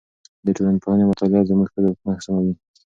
د ټولنپوهنې مطالعه زموږ قضاوتونه سموي.